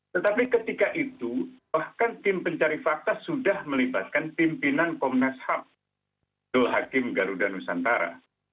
tetapi ketika itu bahkan tim pencari fakta sudah melibatkan pimpinan komnas ham itu hakim garuda nusantara